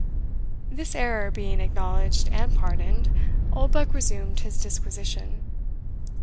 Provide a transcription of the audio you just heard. This error being acknowledged and pardoned, Oldbuck resumed his disquisition.